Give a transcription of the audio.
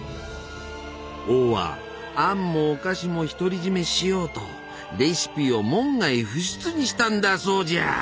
王はアンもお菓子も独り占めしようとレシピを門外不出にしたんだそうじゃ！